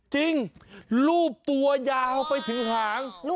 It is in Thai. จริงรูบตัวยาวไปถึงขาง